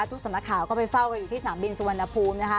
ทุกสำนักข่าวก็ไปเฝ้ากันอยู่ที่สนามบินสุวรรณภูมินะคะ